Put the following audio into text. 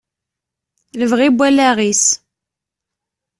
Lebɣi n wallaɣ-is.